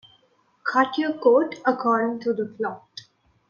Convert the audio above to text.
Cut your coat according to the cloth.